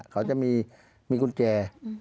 เขาจะมีกุญแจ